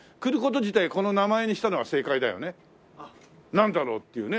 なんだろう？っていうね。